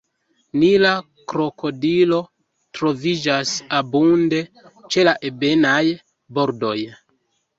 Nila krokodilo troviĝas abunde ĉe la ebenaj bordoj.